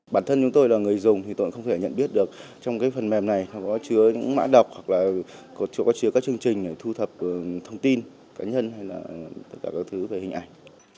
bản thân chúng tôi là người dùng thì tôi cũng không thể nhận biết được trong phần mềm này có chứa mã đọc hoặc là có chứa các chương trình thu thập thông tin cá nhân hay là tất cả các thứ về hình ảnh